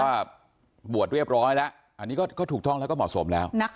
ว่าบวชเรียบร้อยแล้วอันนี้ก็ถูกต้องแล้วก็เหมาะสมแล้ว